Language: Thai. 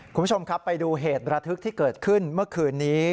คุณผู้ชมครับไปดูเหตุระทึกที่เกิดขึ้นเมื่อคืนนี้